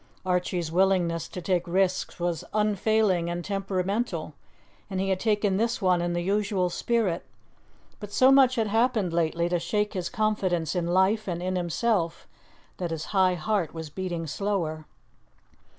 Archie's willingness to take risks was unfailing and temperamental, and he had taken this one in the usual spirit, but so much had happened lately to shake his confidence in life and in himself that his high heart was beating slower.